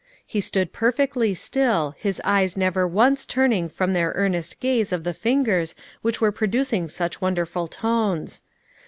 He stood perfectly still, his eyes never once turning from their earnest gaze of the fin gers which were producing such wonderful tones.